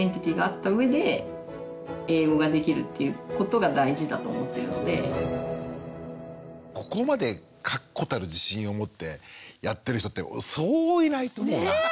更に大事なのがでもそのため一方でここまで確固たる自信を持ってやってる人ってそういないと思うな。